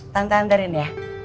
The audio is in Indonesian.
tante antarin ya